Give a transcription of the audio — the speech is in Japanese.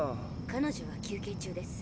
彼女は休憩中です。